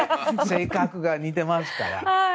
性格が似てますから。